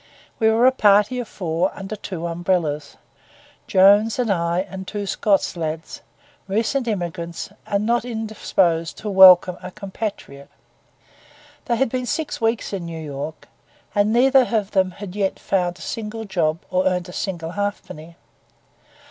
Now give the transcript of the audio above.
We were a party of four, under two umbrellas; Jones and I and two Scots lads, recent immigrants, and not indisposed to welcome a compatriot. They had been six weeks in New York, and neither of them had yet found a single job or earned a single halfpenny.